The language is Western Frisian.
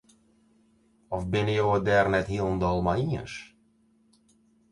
Of binne jo it dêr net hielendal mei iens?